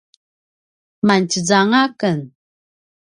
mangtjezanga aken